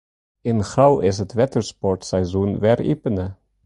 Yn Grou is it wettersportseizoen wer iepene.